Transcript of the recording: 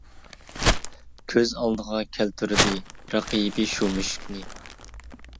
كۆز ئالدىغا كەلتۈردى، رەقىبى شۇ مۈشۈكنى.